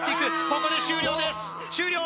ここで終了です終了！